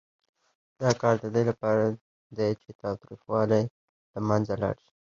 دا کار د دې لپاره دی چې تریخوالی یې له منځه لاړ شي.